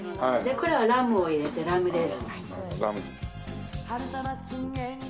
これはラムを入れてラムレーズンが。